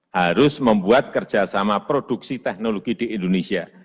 harus membuat kerjasama produksi teknologi di indonesia